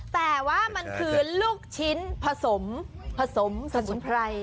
แต่ว่ามันคือลูกชิ้นผสมผสมสมุนไพร